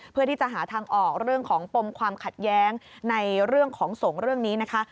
เพื่อที่จะหาทางออกเรื่องของปมความขัดแย้งในเรื่องของสงฆ์เรื่องนี้นะคะ